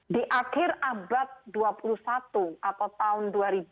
di akhir abad dua puluh satu atau tahun dua ribu dua puluh